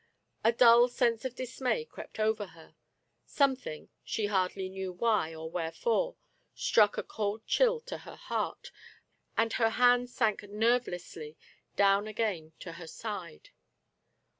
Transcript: A dull sense of dismay crept over her ; some thing — she hardly knew why or wherefore — struck a cold chill to her heart, and her hands sank nerve lessly down again to her side.